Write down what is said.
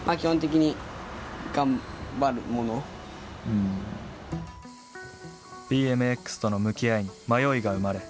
うんＢＭＸとの向き合いに迷いが生まれ